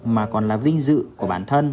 mà còn là vinh dự của bản thân